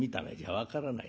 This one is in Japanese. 分からない